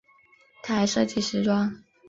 她还设计时装。